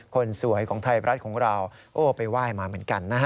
คนสวยของไทยรัฐของเราโอ้ไปไหว้มาเหมือนกันนะฮะ